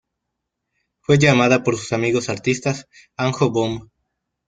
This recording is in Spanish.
Fue llamada por sus amigos artistas ""Anjo bom"".